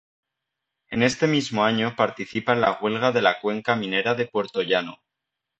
En este mismo año participa en la huelga de la cuenca minera de Puertollano.